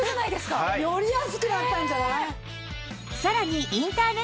より安くなったんじゃない？